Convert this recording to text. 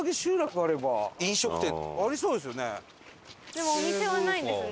でもお店はないんですね。